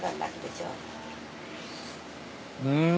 うん。